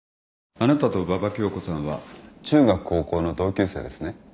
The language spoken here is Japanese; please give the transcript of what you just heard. あなたと馬場恭子さんは中学高校の同級生ですね。